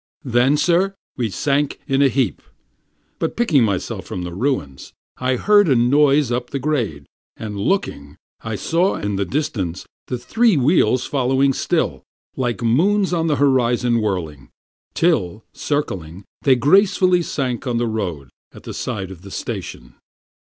Then, sir, we sank in a heap; but, picking myself from the ruins, I heard a noise up the grade; and looking, I saw in the distance The three wheels following still, like moons on the horizon whirling, Till, circling, they gracefully sank on the road at the side of the station.